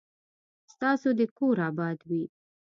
ستاسو دي کور اباد وي